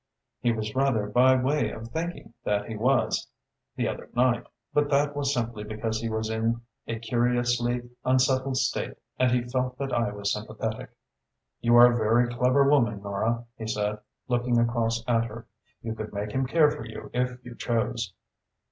"He was rather by way of thinking that he was, the other night, but that was simply because he was in a curiously unsettled state and he felt that I was sympathetic." "You are a very clever woman, Nora," he said, looking across at her. "You could make him care for you if you chose."